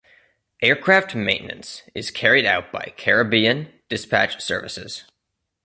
Aircraft maintenance is carried out by Caribbean Dispatch Services.